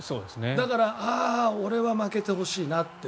だからああ俺は、負けてほしいなって